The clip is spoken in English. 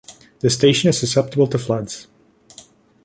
The station is susceptible to floods.